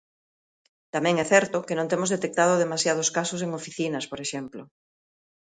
Tamén é certo que non temos detectado demasiados casos en oficinas, por exemplo.